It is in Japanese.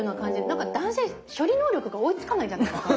何か男性処理能力が追いつかないじゃないですか。